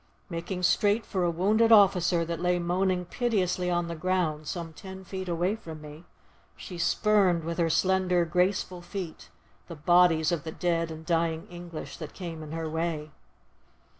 Making straight for a wounded officer that lay moaning piteously on the ground, some ten feet away from me, she spurned with her slender, graceful feet, the bodies of the dead and dying English that came in her way.